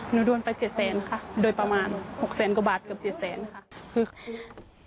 โดนไป๗แสนค่ะโดยประมาณ๖แสนกว่าบาทเกือบเจ็ดแสนค่ะ